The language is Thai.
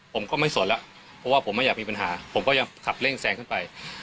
ผมก็ไม่สนแล้วเพราะว่าผมไม่อยากมีปัญหาผมก็ยังขับเร่งแซงขึ้นไป